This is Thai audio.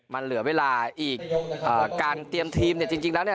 มันเหลือเวลาอีกการเตรียมทีมเนี่ยจริงแล้วเนี่ย